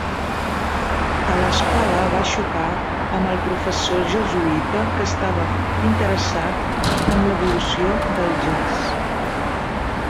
A l'escola va xocar amb el professor jesuïta que estava interessat en l'evolució del jazz.